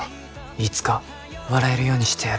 いつか笑えるようにしてやる。